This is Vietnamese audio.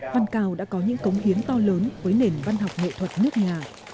văn cao đã có những cống hiến to lớn với nền văn học nghệ thuật nước nhà